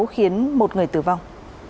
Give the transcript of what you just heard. khiến một người tử vong